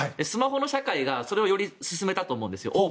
スマホの社会がそれをより進めたと思うんですよ。